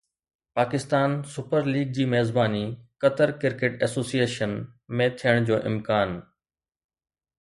Pakistan super league جي ميزباني Qatar cricket association ۾ ٿيڻ جو امڪان آهي